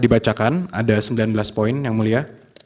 dibacakan ada sembilan belas poin yang mulia